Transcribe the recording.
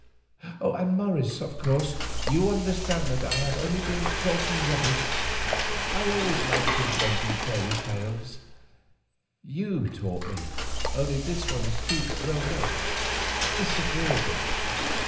And, Morris, of course you understand that I have only been talking rubbish. I always liked inventing fairy tales; you taught me; only this one is too grown up—disagreeable.